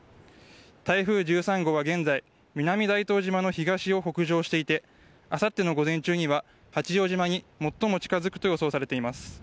台風１３号は現在南大東島の東を北上していてあさっての午前中には八丈島に最も近づくと予想されています。